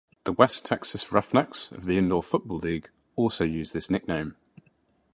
The West Texas Roughnecks of the Indoor Football League also use this nickname.